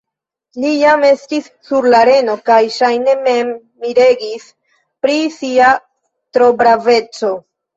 Li jam estis sur la areno kaj, ŝajne, mem miregis pri sia trobraveco.